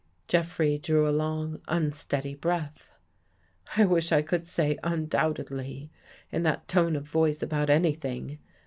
Jeffrey drew a long unsteady breath. " 46 I wish I WHAT JEFFREY SAW could say ' undoubtedly ' in that tone of voice about anything.